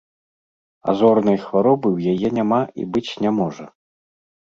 А зорнай хваробы ў яе няма і быць не можа.